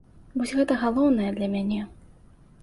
Вось гэта галоўнае для мяне.